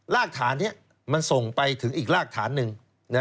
รากฐานนี้มันส่งไปถึงอีกรากฐานหนึ่ง